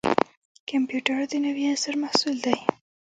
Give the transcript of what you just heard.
کمپیوټر د نوي عصر محصول دی